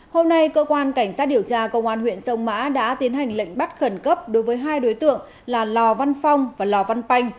hôm nay cơ quan cảnh sát điều tra công an huyện sông mã đã tiến hành lệnh bắt khẩn cấp đối với hai đối tượng là lò văn phong và lò văn banh